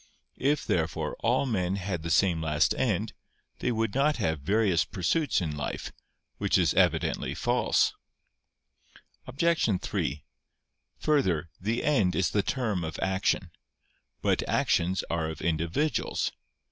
If, therefore, all men had the same last end, they would not have various pursuits in life. Which is evidently false. Obj. 3: Further, the end is the term of action. But actions are of individuals.